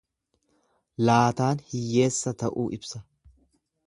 Laataan hiyyeessa ta'uu ibsa.